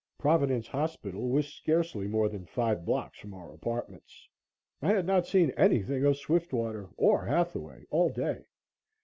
Providence Hospital was scarcely more than five blocks from our apartments. I had not seen anything of Swiftwater or Hathaway all day.